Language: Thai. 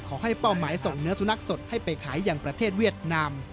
เป้าหมายส่งเนื้อสุนัขสดให้ไปขายอย่างประเทศเวียดนาม